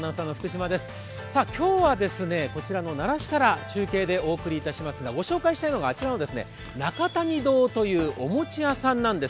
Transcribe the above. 今日はこちらの奈良市から中継でお送りしますがご紹介したいのが、あちらの中谷堂というお菓子屋さんなんです。